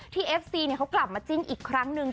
ที่เอฟซีเนี้ยเขากลับมาจิ้นอีกครั้งหนึ่ง